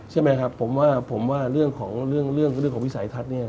ใช่ไหมครับผมว่าเรื่องของวิสัยธรรมเนี่ย